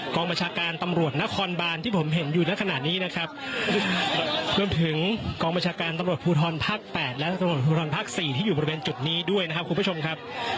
ประชาการตำรวจนครบานที่ผมเห็นอยู่ในขณะนี้นะครับรวมถึงกองประชาการตำรวจภูทรภาค๘และตำรวจภูทรภาค๔ที่อยู่บริเวณจุดนี้ด้วยนะครับคุณผู้ชมครับ